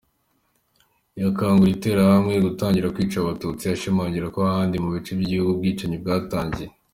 Yakanguriye Interahamwe gutangira kwica Abatutsi ashimangira ko ahandi mu bice by’igihugu ubwicanyi bwatangiye.